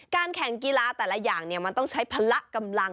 แข่งกีฬาแต่ละอย่างมันต้องใช้พละกำลัง